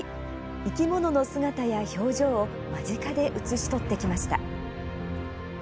生き物の姿や表情を間近で写し撮ってきました。